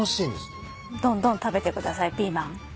どんどん食べてくださいピーマン。